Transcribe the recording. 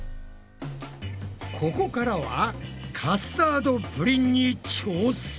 ここからはカスタードプリンに挑戦。